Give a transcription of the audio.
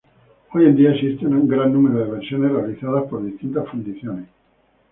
Hoy en día existe un gran número de versiones realizadas por distintas fundiciones.